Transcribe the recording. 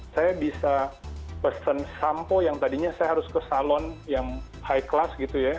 saya bisa pesen sampo yang tadinya saya harus ke salon yang high class gitu ya